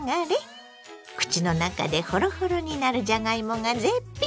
口の中でほろほろになるじゃがいもが絶品。